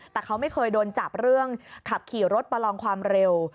แต่เขาไม่เคยโดนจับเรื่องขับขี่รถประลองความเร็ว